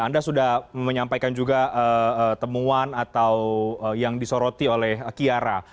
anda sudah menyampaikan juga temuan atau yang disoroti oleh kiara